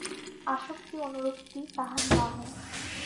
আসক্তি-অনুরক্তি তাহার নহে।